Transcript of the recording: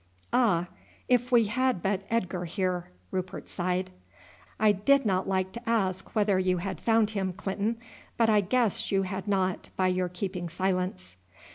"Ah! if we had but Edgar here!" Rupert sighed. "I did not like to ask whether you had found him, Clinton; but I guessed you had not by your keeping silence."